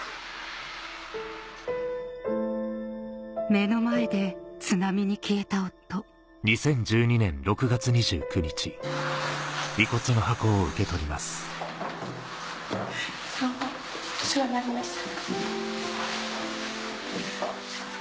目の前で津波に消えた夫どうもお世話になりました。